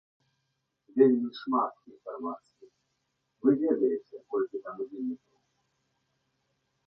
Вельмі шмат інфармацыі, вы ведаеце, колькі там удзельнікаў.